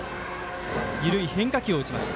緩い変化球を打ちました。